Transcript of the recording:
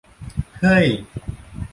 เฮ้ย !